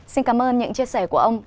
xin cảm ơn những chia sẻ của ông